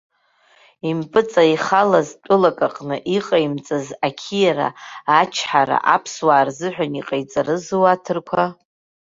Импыҵаихалаз тәылак аҟны иҟаимҵаз ақьиара, ачҳара аԥсуаа рзыҳәан иҟаиҵарызу аҭырқәа?